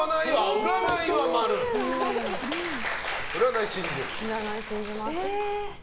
占い信じますね。